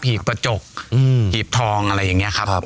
หีบประจกหีบทองอะไรอย่างเงี้ยครับ